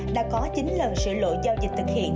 đã có chín lần sửa lộ giao dịch thực hiện